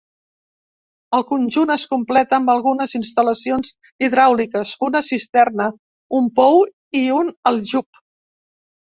El conjunt es completa amb algunes instal·lacions hidràuliques: una cisterna, un pou i un aljub.